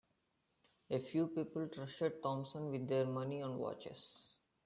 A few people trusted Thompson with their money and watches.